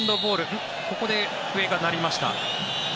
ここで笛が鳴りました。